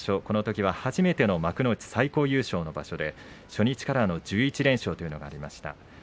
このときは初めての幕内最高優勝の場所で初日からの１１連勝というのがありました。